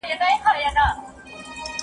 موږ بايد د شعور په لاره کي قدم پورته کړو.